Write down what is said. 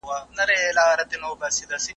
په روغ بدن کې روغ عقل وي.